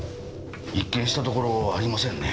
一見したところありませんね。